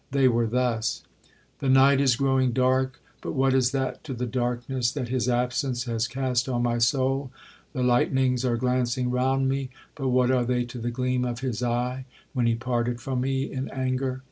They were thus: 'The night is growing dark—but what is that to the darkness that his absence has cast on my soul? The lightnings are glancing round me—but what are they to the gleam of his eye when he parted from me in anger?